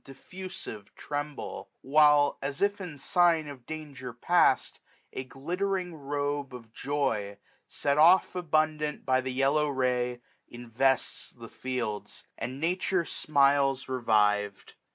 Diffusive, tremble ; while, as if in sign Of danger past, a glittering robe of joy Set off abundant by the yellow ray, 1230 Invests the fields ; and nature smiles revived.